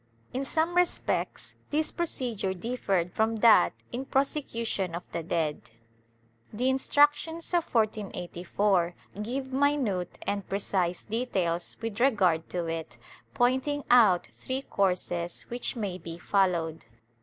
In some respects this procedure differed from that in prosecution of the dead. The Instructions of 1484 give minute and precise details with regard to it, pointing out three courses which may be followed.